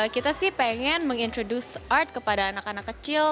kita sih pengen meng introduce art kepada anak anak kecil